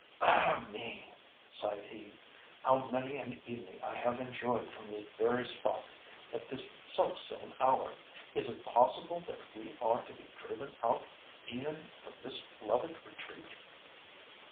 "Ah, me!" sighed he; "how many an evening I have enjoyed from this very spot, at this self same hour! Is it possible that we are to be driven out even from this loved retreat?"